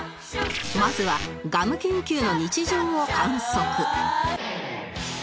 まずはガム研究の日常を観測